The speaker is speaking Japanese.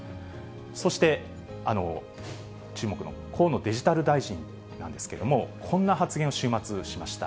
そして、注目の河野デジタル大臣なんですけれども、こんな発言を週末、しました。